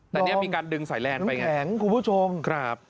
แต่อันเนี้ยมีการดึงใส่แลนไปไงกิ๊กโดร์อ๋อโปรแคหงคุณผู้ชมครับ